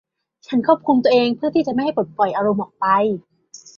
ฉันควบคุมตัวเองเพื่อที่จะไม่ให้ปลดปล่อยอารมณ์ออกไป